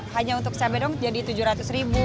hanya untuk cabai doang jadi tujuh ratus ribu